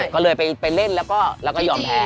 ก็เลยไปเล่นแล้วก็ยอมแพ้